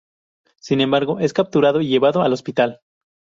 Sin embargo, es capturado y llevado al hospital.